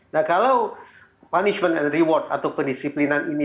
nah kalau punishment and reward atau pendisiplinan ini